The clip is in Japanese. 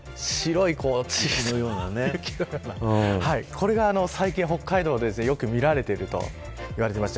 これが最近、北海道でよく見られているといわれています。